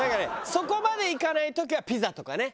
そこまでいかない時はピザとかね。